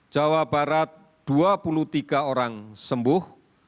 jawa barat dua puluh tiga orang sembuh